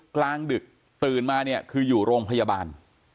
กลางดึกตื่นมาเนี่ยคืออยู่โรงพยาบาล